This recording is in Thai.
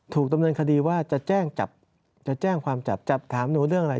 ถูกดำเนินคดีว่าจะแจ้งจับจะแจ้งความจับจะถามหนูเรื่องอะไร